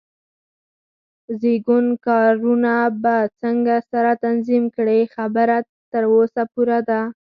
د زېږون کارونه به څنګه سره تنظیم کړې؟ خبره تر وسه پورې ده.